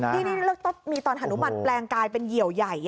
นี่มีตอนฮนุมานแปลงกลายเป็นเหยียวใหญ่